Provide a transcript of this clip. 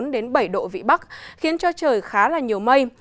đến bảy độ vị bắc khiến cho trời khá là nhiều mây